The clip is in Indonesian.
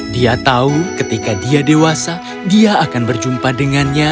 dia tahu ketika dia dewasa dia akan berjumpa dengannya